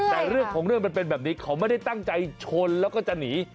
แต่เรื่องของเรื่องมันเป็นแบบนี้เขาไม่ได้ตั้งใจชนแล้วก็จะหนี